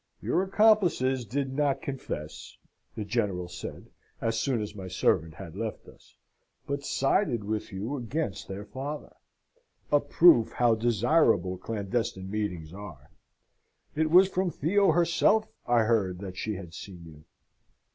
"Your accomplices did not confess," the General said, as soon as my servant had left us, "but sided with you against their father a proof how desirable clandestine meetings are. It was from Theo herself I heard that she had seen you."